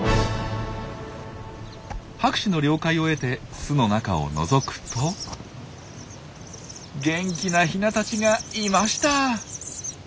博士の了解を得て巣の中をのぞくと元気なヒナたちがいました！